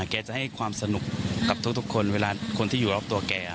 แกจะให้ความสนุกกับทุกคนเวลาคนที่อยู่รอบตัวแก